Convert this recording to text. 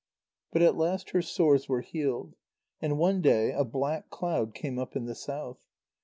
But at last her sores were healed. And one day a black cloud came up in the south.